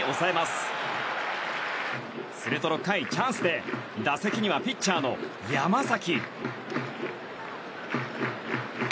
すると６回、チャンスで打席にはピッチャーの山崎。